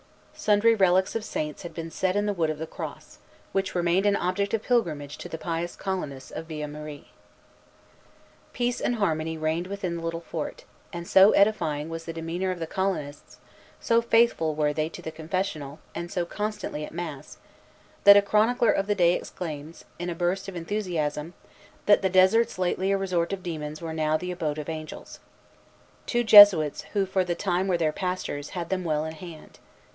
Sundry relics of saints had been set in the wood of the cross, which remained an object of pilgrimage to the pious colonists of Villemarie. Vimont, Relation, 1643, 52, 53. Peace and harmony reigned within the little fort; and so edifying was the demeanor of the colonists, so faithful were they to the confessional, and so constant at mass, that a chronicler of the day exclaims, in a burst of enthusiasm, that the deserts lately a resort of demons were now the abode of angels. The two Jesuits who for the time were their pastors had them well in hand.